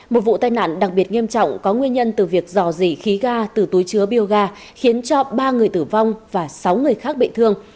một vụ tai nạn đặc biệt nghiêm trọng có nguyên nhân từ việc dò dỉ khí ga từ túi chứa bioga khiến cho ba người tử vong và sáu người khác bị thương